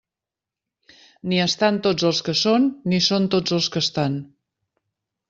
Ni estan tots els que són, ni són tots els que estan.